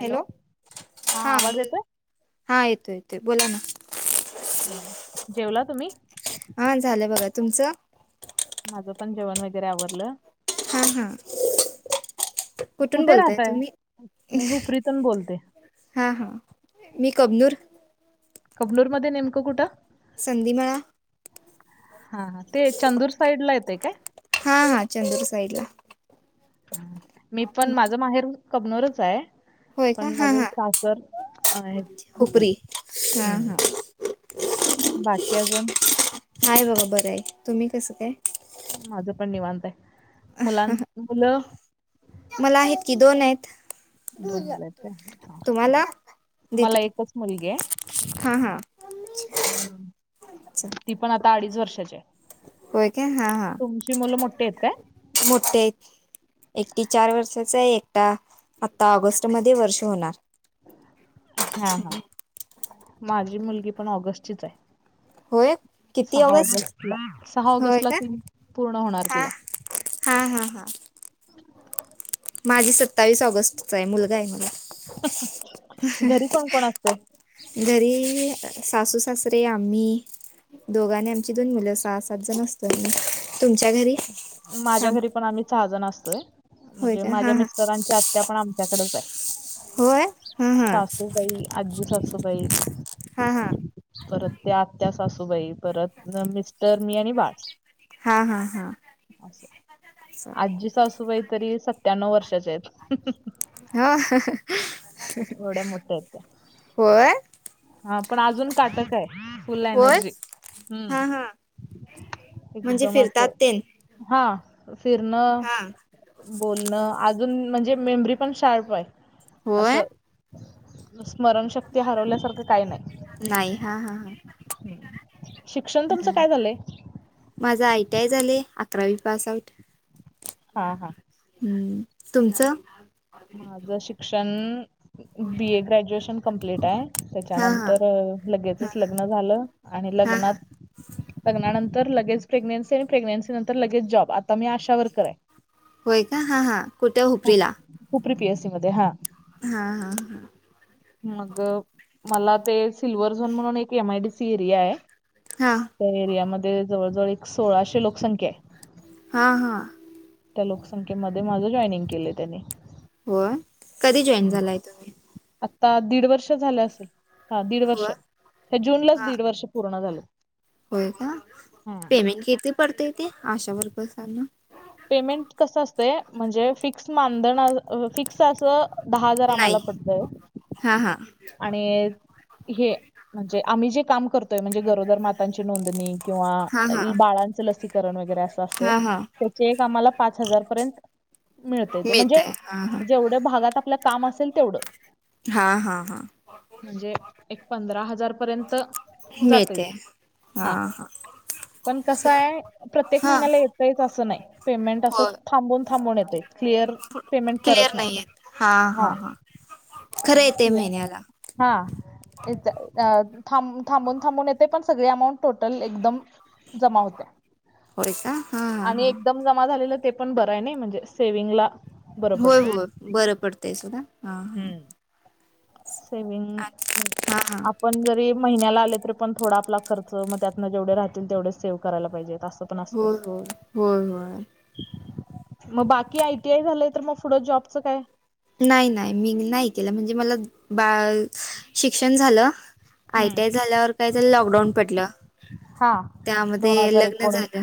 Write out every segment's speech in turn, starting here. Hello. हा आवाज बोल. येतोय? हां. येतो येतोय. बोला ना. हां. जेवला तुम्ही? हा. झालं बघा. तुमचं? माझं पण जेवण वगैरे आवरलं. हां. हां. कुठून कुठे बोलताय राहताय? तुम्ही? मी हुपरीतून बोलते. हां. हां. मी कबनूर- कबनूरमध्ये नेमकं कुठं? संधी मळा. हां. हां. ते चंदूर साईड ला येतय का? हां. हां. चंदूर सईडला. हां. मी पण, माझ माहेर कबनोरच आहे. होय का पण हा माझं हा सासर आहे खुपरी. हुपरी हा हम्म. हा बाकी अजून? हाय बघा बरय. तुम्ही कसं काय? माझं पण निवांत ए. मुलां मुलं- मुलं आहेत की दोन आहेत. दोन मुल आहेत का? हां. तुम्हाला मला देतो एकच मुलगी आहे. हां हां हं. अच्छा ती पण आता अडीच वर्षाची आहे. होय का? हां. हां. तुमची मुलं मोट्ठी आहेत का? मोट्ठी आहेत. एकटी चार वर्षाची आहे. एकटा आत्ता ऑगस्ट मध्ये वर्ष होणार. हां. हां. माझी मुलगी पण ऑगस्टचीच आहे. होय किती सहा ऑगस्ट ला. सहा ऑगस्ट ला तीन पूर्ण होणार तिला. हांहां. हां. माझी सत्तावीस ऑगस्टचा आहे. मुलगा आहे मला. घरी कोण कोण असत? घरी सासू सासरे आम्ही दोघ आणि आमची दोन मुलं. सास- पाच जण असतो आम्ही. तुमच्या घरी? माझ्या थांब घरी पण आम्ही सहा जण असतोय. होय म्हणजे का हा माझ्या हा मिस्टरांची आत्या पण आमच्याकडेच आहे. होय? हा हा सासूबाई. आज्जीसासूबाई. हा हा परत त्या आत्या सासूबाई. परत म मिस्टर, मी आणि बाळ. हां. हां. हां. असं. आज्जी सासूबाई तरी सत्यांनव वर्षाच्या आहेत. एवढ्या होय? हां. पण अजून काटक आहे. फुल होय एनर्जी. हम्म. हा हा म्हणजे एकदम फिरतात असं. ते हां. फिरणं- हा बोलणं. अजून म्हणजे मेमरी पण शार्प आहे. होय असं- स्मरणशक्ती हरवल्यासारखं- काय नाही. नाही. हां. हां. हां. शिक्षण तुमचं काय झालंय? माझ आय टी आय झालय. अकरावी पास आउट. हां. हां. हम्म. तुमचं? माझं शिक्षण? बी ए ग्रॅज्युएशन कमप्लीट आहे. हा हा त्याच्यानंतर लगेचच लग्न झालं. आणि हा हा लग्नात- लग्नानंतर लगेच प्रेग्नेन्सी आणि प्रेग्नेन्सी नंतर लगेच जॉब. आता मी आशावर्कर आहे. होय का? हां. हां. कुठ हुपरीला? हुपरी पी. एस. सी मध्ये हां. हां. हां. हां. मग मला ते सिल्वर झोन म्हणून एक M. I. D. C area आहे. हां. त्या एरियामध्ये जवळजवळ एक सोळाशे लोकसंख्या आहे. हां. हां. त्या लोकसंख्येमध्ये माझं जॉइनिंग केलंय त्यांनी. हो? कधी जॉईन झालाय तुम्ही? आत्ता दीड वर्ष झालं असेल. हा दीड हो वर्ष. ह्या जूनलाच हा दीड वर्ष पूर्ण झालं. होय का? पेमेंट किती पडतेय हो ते? आशा वर्करसना. पेमेंट कस असतए? म्हणजे फिक्स मानधन, फिक्स असं- दहा हजार आम्हाला नाही पडतय. हा हा आणि हे म्हणजे आम्ही जे काम करतोय. म्हणजे गरोदर मातांची नोंदणी किंवा- हा हा मग बाळाच लसीकरण वगैरे असं असतय. हा हा चेक आम्हाला पाच हजार पर्यंत मिळत. ते म्हणजे आहे हा हा जेवढ्या भागात आपलं काम असेल तेवढ. हां हां हां म्हणजे एक पंधरा हजार पर्यंत जातय. मिळते ते हा हां हा पण चल कसय प्रत्येक हा महिन्याला येतयच अस नाही. पेमेंट अस हो थांबून थांबून येतय. क्लिअर पेमेंट क्लिअर करत नाही. हा खर येतय क्लिअर महिन्याला. हा अ [unintelligible] थांब थांबून थांबून येते पण सगळी अमाऊंट टोटल एकदम जमा होते. होय का? हा हा आणि हा एकदम जमा झाले ते पण बर आहे नाही म्हणजे सेविंगला. होय होय बर पडतय सुद्धा हा. हा हम्म सेविंग हा हा आपण जरी महिन्याला आले तरी पण थोडा आपला खर्च मग त्यातन जेवढे राहतील. तेवढे सेव्ह करायला पाहिजेत असं. पण असतंय होय होय होय होय. मग बाकी आय टी आय झालय तर मग पुढं जॉबच काय? नाही नाही मी नाही केला म्हणजे मला बाळ शिक्षण झाल. आय हम्म टीया झाल्यावर काय झालं लॉकडाऊन पडल. हा दोन त्यामध्ये हजार लग्न एकोणीस झाल.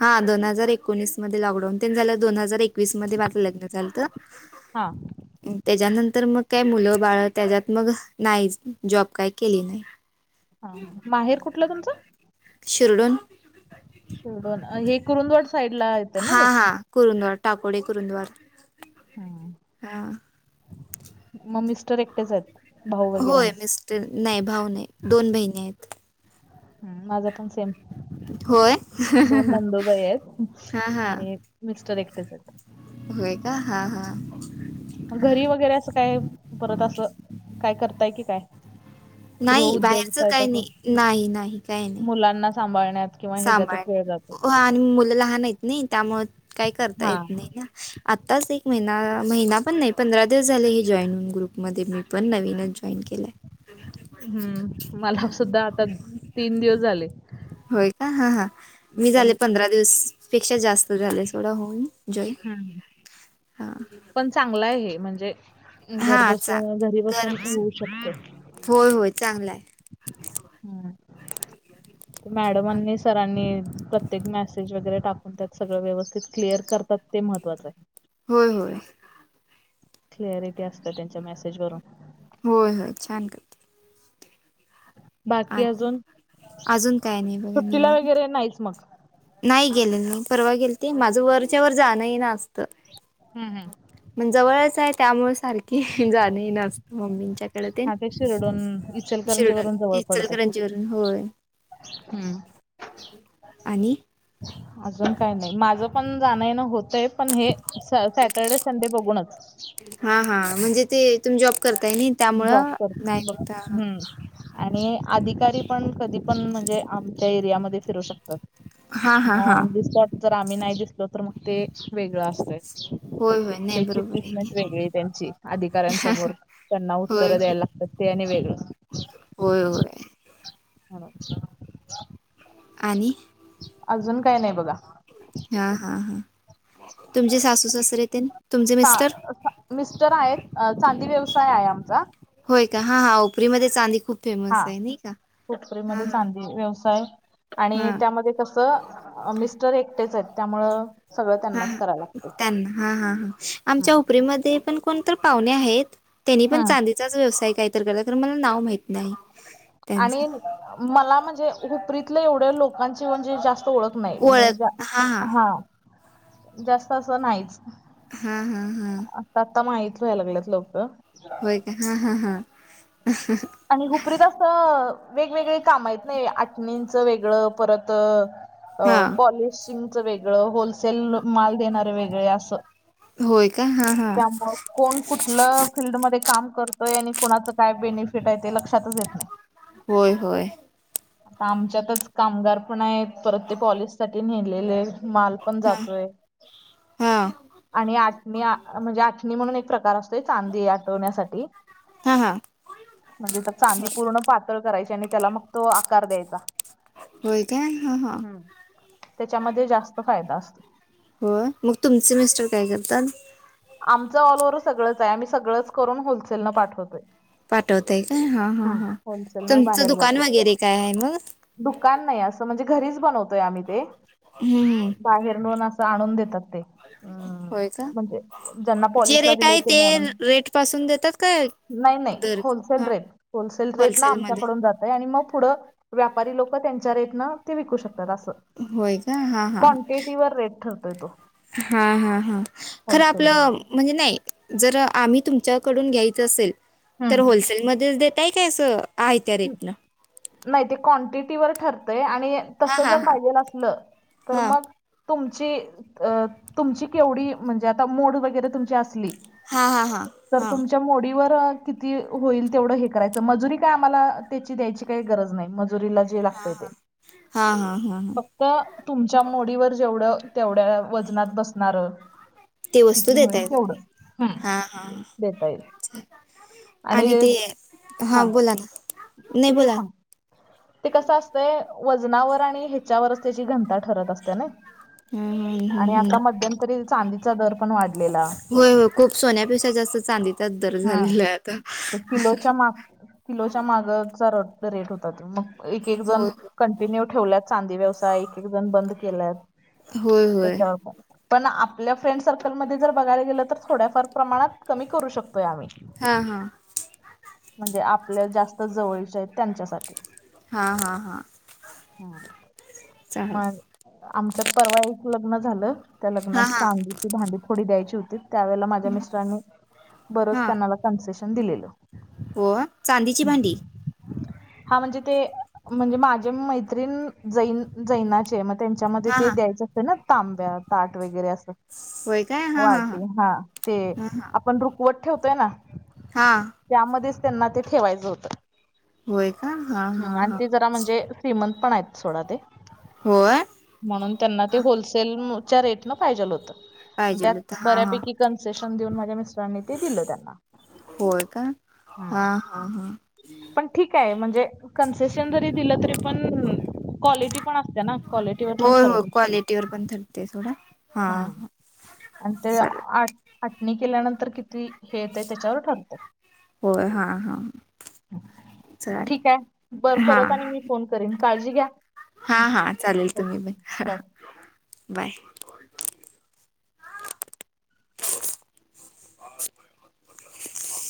हा दोन हजार एकोणीस मध्ये लॉकडाऊन ते झाल दोन हजार एकवीस मध्ये माझं लग्न झालत. हां त्याच्यानंतर मग काय मुल बाळ त्याच्यात मग नाहीच जॉब काही केली नाही. हा माहेर कुठल तुमच? शिरडून. शिरडून हे कुरुंदवाड साईडला [unintelligible] हा हा कुरुंदवार टाकोडे कुरुंदवार हम्म हा. मग मिस्टर एकटेच आहेत? भाऊ वगैरे होय मिस्टर नाही भाऊ नाही दोन बहिणी आहेत. हम्म माझ पण सेम. होय दोन नंदोबाई आहेत हा हा आणि मिस्टर एकटेच आहेत. होय का हां हां घरी वगैरे अस काय परत अस काय करताय की काय? नाही गृहउद्योग बाहेरचं टाईप काही अस नाही नाही मुलांना सांभाळण्यात. किंवा ह्याच्यातच वेळ जातो सांभाळण्यात आणि मुलं लहान आहेत नाही त्यामुळे काही करता हा येत नाही ना आ तच एक महिना महिना पण नाही पंधरा दिवस झाले हे जॉईन होऊन ग्रुपमध्ये मी पण नवीनच जॉईन केलाय हम्म मला सुद्धा आता तीन दिवस झाले. होय का हा हा मी झाले पण पंधरा दिवस पेक्षा जास्त झाले [unintelligible] होऊन. जॉईन हम्म हां पण चांगल आहे हे म्हणजे घर हां बसून घरी चांग घर बसून होऊ शकते. होय होय चांगलय. हम्म मॅडमांनी सरांनी प्रत्येक मेसेज वगैरे टाकत्यात सगळं व्यवस्थित क्लिअर कर मग ते महत्वाचंय. होय होय. क्लिआरिटी असतिया त्यांच्या मेसेज वरून. होय होय छान कर बाकी आणि अजून अजून काय नाही बघा सुट्टीला निवांत वगैरे नाहीच मग. नाही गेले मी परवा गेलते माझं वरच्यावर जाणं येन अस हा हा. मग जवळच आहे त्यामुळे सारखी जान येण मम्मींच्या हा तेे शिरढोण इ शिरढोण इचलकरंजीवरून होय. हम्म. आणि. अजून काही नाही माझं पण जाण येन होतंय पण हे. स सॅटर्डे संडे बघूनच. हा हा म्हणजे ते तुम्ही जॉब करताय नाई. जॉब कर बघून हम्म. आणि अधिकारी पण कधी पण म्हणजे आमच्या एरियामध्ये फिरू शकतात. हा हा मग हा ऑन द स्पॉट जर आम्ही नाही दिसलो तर मग ते वेगळं असतय. होय होय नाही त्याची बरोबर आहे की ट्रीटमेंट वेगळी त्यांची अधिकाऱ्यांसमोर. त्यांना होय उत्तर द्यायला होय लागतात ते आणि वेगळ. होय होय. घरातलं. आणि अजून काय नाही बघा. हा हा हा तुमचे सासू सासरे तेन. तुमचे सा मिस्टर अ सा मिस्टर आहेत चांदी व्यवसाय आहे आमचा. होय का हां हा हुपरीमध्ये चांदी खूप हा फेमस आहे नाही का? हा हुपरीमध्ये हा चांदी व्यवसाय आणि हा त्यामध्ये कस मिस्टर एकटेच आहेत. त्यामुळं सगळं हा त्यांनाच करायला लागतंय त्यांना हा हा हा आमच्या हम्म हुपरीमध्ये पण कोणतर पाहुणे आहेत त्यांनी पण हम्म चांदीचाच व्यवसाय काहीतर करत्यात खर मला नाव माहित नाही. त्यांच आणि अ मला म्हणजे हुपरीतल्या एवढ्या लोकांची म्हणजे जास्त ओळख नाही मी ओळख हा हा जा जास्त अस नाहीच. हा हा हा. आता आत्ता माहित व्हाय लागल्यात लोक. होय काय हा हा हा अ हो हो. आणि हुपरीत असं वेगवेगळी काम आईत नाही आठणींचं वेगळं परत अ हा पॉलिशिंगच वेगळं होलसेल माल देणारे वेगळे असं. होय काय हा हा. त्यामुळ कोण कुठलं फील्डमध्ये काम करतोय आणि कुणाचं काय बेनिफि फिट आहे ते लक्षातच येत नाही. होय होय. मग आमच्यातच कामगार पण आहेत परत ते पॉलिश साठी नेलेले माल पण हा जातोय. हा आणि आटणी म्हणजे आटणी म्हणून एक प्रकार असतोय चांदी आटवण्यासाठी हा हा म्हणजे तर चांदी पूर्ण पातळ करायची आणि त्याला मग तो आकार द्यायचा होय का हा हा हम्म, त्याच्यामध्ये जास्त फायदा असतो होय, मग तुमचे मिस्टर काय करतात? आमचं ऑल ओव्हर सगळंचाय, आम्ही सगळंच करून होलसेल नं पाठवतोय पाठवतय काय, हां हां हम्म. हां होलसेल न तुमचं बाहेर दुकान जातो वगैरे काय हाय म? दुकान नायी, असं म्हणजे घरीच बनवतोय आम्ही ते हम्म हम्म बाहेर नू न असं आणून देतात ते अ होय का, म्हणजे ज्यांना जे पॉलिशला रेट दिलंय आहे ते त्यांनी आणून रेट पासून देतात काय? नाही नाही दर होलसेल हा रेट होलसेल रेट नं होलसेलमध्ये आमच्याकडून जातय आणि मग पुढं व्यापारी लोकं त्यांच्या रेटनं ते विकू शकतात असं होय का क्वांटिटीवर रेट ठरतोय तो हा हा हा खरं होलसेलिंग आपलं मध्ये म्हणजे नाही जर आम्ही तुमच्याकडून घ्यायचं असेल तर हम्म होलसेल मध्येच देताय काय? असं आहे त्या रेट न? नाही ते क्वांटिटीवर ठरतय आणि तस हां जर हां हां पाहिजेल असलं तर मग हां तुमची तुमची केवढी म्हणजे आता मोड वगैरे तुमची असली? हां हां तर हां हां तुमच्या मोडीवर किती होईल तेवढं हे करायचं मजुरी काय आम्हाला त्याची द्यायची काही गरज नाही मजुरीलाच हे लागतय ते हां हां हां हां फक्त तुमच्या मोडीवर जेवढं तेवढ्या वजनात बसणार ते वस्तू किती होईल देताय तुम्ही तेवढं, हम् हां हां देता येईल आणि हा नायी तुम्ही बोला सांग ते कसं असतय वजनावर आणि ह्याच्यावर असतय त्याची घनता ठरत असते ना? हम्म हम्म आणि हम्म हम्म आता मध्यमंतरी चांदीचा दर पण वाढलेला होय हो खूप सोन्या पेशा जास्त चांदीचाच दर हम्म झालेलाय आता ते किलोच्या माग किलोच्या माग रेट होता. मग एक एक जण होय कंटिन्यू ठेवल्यात. चांदी व्यवसाय एक एक जण बंद केलाय होय होय त्याच्यावर पण आपल्या फ्रेंड सर्कलमध्ये जर बघायला गेलं तर थोड्याफार प्रमाणात कमी करू शकतोय आम्ही हा हा म्हणजे आपल्या जास्त जवळच्यात त्यांच्यासाठी हा हा हा मग, आमच्यात परवा एक लग्न झालं त्या लग्नात हा हा चांदीची भांडी थोडी द्यायची होती. त्यावेेळेला माझ्या मिस्टरांनी बरंच त्यांना ला कन्सेशन दिलेलं होय, चांदीची भांडी? हम्म. हा म्हणजे ते म्हणजे माझी मैत्रीण जैन जैनाचे म त्यांच्यामध्ये हा हा ते द्यायचं असतं ना तांब्या ताट वगैरे असं होय काय हा वाटी हा ते, हा आपण रुकवत ठेवतोय ना? हां त्यामध्येच, त्यांना ते ठेवायचं होतं होय का? हा हम्म हा आणि हा ते जरा म्हणजे श्रीमंत पण आहेत सोडा ते. होय! म्हणून त्यांना ते होलसेलच्या रेटन पाहिजेल होत पाहिजेल त्यात तर हा हा बऱ्यापैकी. कन्सेशन देऊन माझ्या मिस्टरांनी नी ते दिलं त्यांना हूं. आहां! पण ठीक आहे म्हणजे कन्सेशन जरी दिलं तरी पण क्वालिटी पण असते ना क्वालि हो हो क्वालिटी वर पण थरते सोडा. हूं आणि ते आट आटणी केल्यानंतर किती? हे येतंय त्याच्यावर ठारतय. होय हा हा चालेल ठीक आहे बर हा परत आणि मी फोन करीन, काळजी घ्या. हा हा चालेल तुम्ही ओके पनं बाय बाय.